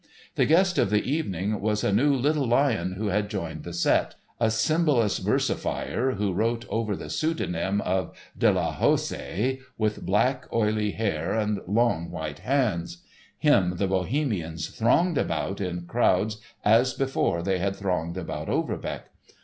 The guest of the evening was a new little lion who had joined the set. A symbolist versifier who wrote over the pseudonym of de la Houssaye, with black, oily hair and long white hands; him the Bohemians thronged about in crowds as before they had thronged about Overbeck.